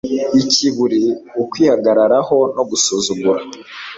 ikiburi, ukwihagararaho no gusuzugura